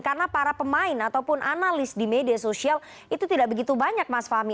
karena para pemain ataupun analis di media sosial itu tidak begitu banyak mas fahmi